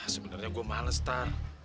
sebenarnya gua malas tar